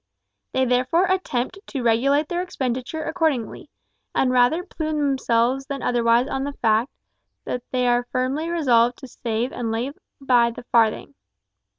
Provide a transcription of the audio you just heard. They therefore attempt to regulate their expenditure accordingly, and rather plume themselves than otherwise on the fact that they are firmly resolved to save and lay bye the farthing.